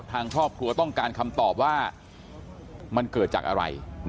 ทางครอบครัวต้องการคำตอบว่ามันเกิดจากอะไร